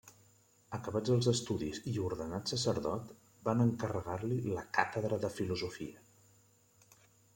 Acabats els estudis i ordenat sacerdot, van encarregar-li la càtedra de filosofia.